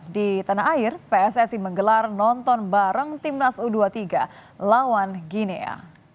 di tanah air pssi menggelar nonton bareng timnas u dua puluh tiga lawan ginia